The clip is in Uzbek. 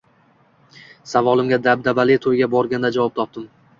Savolimga dabdabali to`yga borganda javob topdim